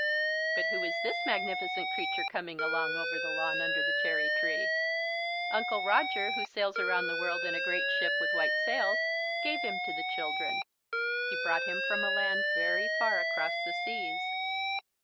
But who is this magnificent creature coming along over the lawn under the cherry tree? Uncle Roger, who sails around the world in a great ship with white sails, gave him to the children. He brought him from a land very far across the seas.